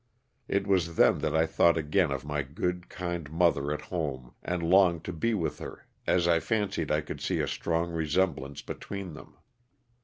It was then that I thought again of my good, kind mother at home, and longed to be with her as I fancied I could see a strong resemblance between them.